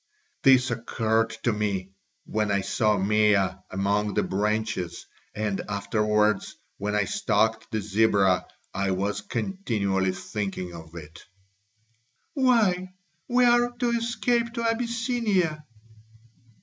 This occurred to me when I saw Mea among the branches, and afterwards when I stalked the zebra I was continually thinking of it." "Why, we are to escape to Abyssinia."